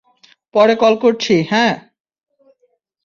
পরে কল করছি, হ্যাঁ।